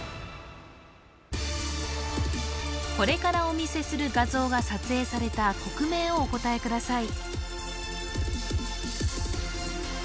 これからお見せする画像が撮影された国名をお答えください